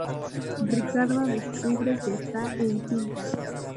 Ricarda descubre que está encinta.